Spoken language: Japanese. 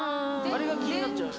あれが気になっちゃう。